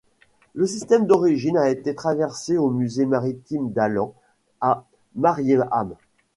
Le système d'origine a été transféré au musée maritime d'Åland à Mariehamn.